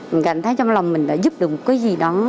mình cảm thấy trong lòng mình đã giúp được một cái gì đó